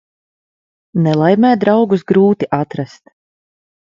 Nelaimē draugus grūti atrast.